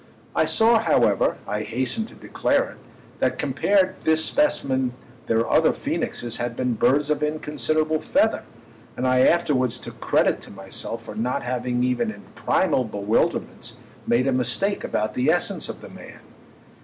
I saw, however—I hasten to declare it—that compared to this specimen their other phoenixes had been birds of inconsiderable feather, and I afterwards took credit to myself for not having even in primal bewilderments made a mistake about the essence of the man.